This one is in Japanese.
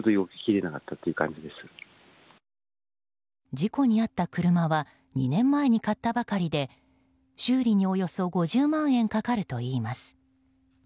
事故に遭った車は２年前に買ったばかりで修理に、およそ５０万円かかるといいます。